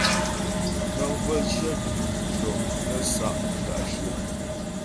Nəŋ bə́ cyə dəm tʉɔ̂ nə́ sa' mta'shyə̂.